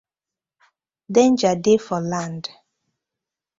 Danger dey for land.